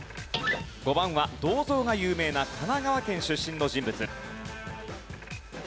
５番は銅像が有名な神奈川県出身の人物。